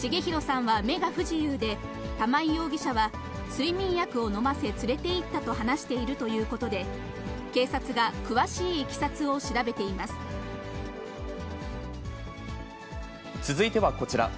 重弘さんは目が不自由で、玉井容疑者は、睡眠薬を飲ませ、連れていったと話しているということで、警察が続いてはこちら。